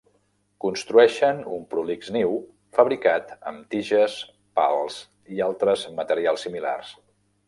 Construeixen un prolix niu fabricat amb tiges, pals, i altres materials similars.